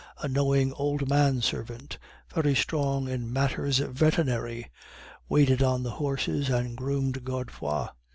A knowing old man servant, very strong in matters veterinary, waited on the horses and groomed Godefroid.